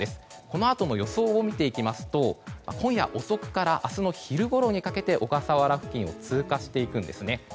このあとの予想を見ていきますと今夜遅くから明日の昼ごろにかけて小笠原付近を通過していくんですね。